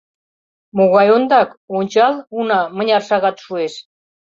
— Могай ондак, ончал, уна, мыняр шагат шуэш?